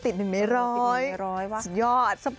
ติดเป็นในร้อยว่ะสุดยอด